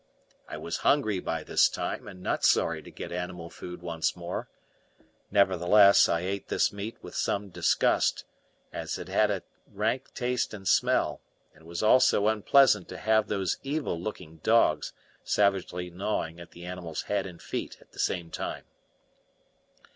I was hungry by this time and not sorry to get animal food once more; nevertheless, I ate this meat with some disgust, as it had a rank taste and smell, and it was also unpleasant to have those evil looking dogs savagely gnawing at the animal's head and feet at the same time.